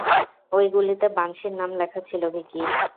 ওই গুলিতে বানশির নাম লেখা ছিল, ভিকি।